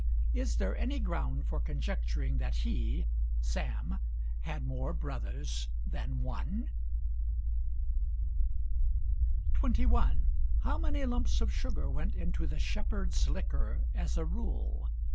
Is there any ground for conjecturing that he (Sam) had more brothers than one? 21. How many lumps of sugar went into the Shepherd's liquor as a rule?